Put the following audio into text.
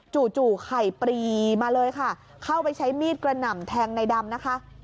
จู่ไข่ปรีมาเลยค่ะเข้าไปใช้มีดกระหน่ำแทงในดำนะคะ